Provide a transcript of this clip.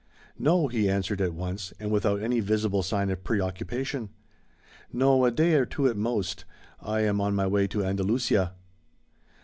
"No," he answered at once, and without any visible sign of preoccupation. "No, a day or two at most; I am on my way to Andalucia."